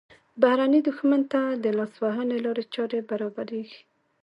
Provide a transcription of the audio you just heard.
بهرني دښمن ته د لاسوهنې لارې چارې برابریږي.